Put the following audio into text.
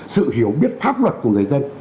sự hiểu biết tháp luật của người dân